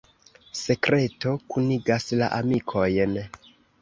Sekreto kunigas la amikojn.